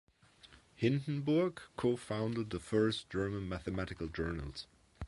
Hindenburg co-founded the first German mathematical journals.